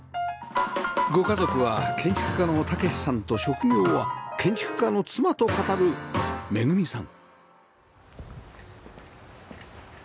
ご家族は建築家の猛さんと職業は「建築家の妻」と語る恵さん